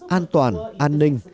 an toàn an ninh